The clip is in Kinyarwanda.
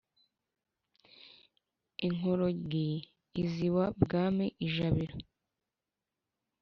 inkorogi iz'iwa bwami ijabiro,